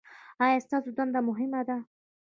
ایا ستاسو دنده مهمه ده؟